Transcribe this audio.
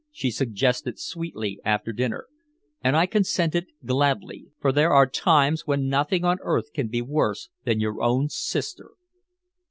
she suggested sweetly after dinner. And I consented gladly, for there are times when nothing on earth can be worse than your own sister.